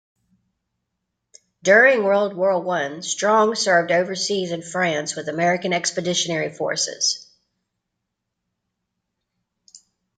During World War One, Strong served overseas in France with American Expeditionary Forces.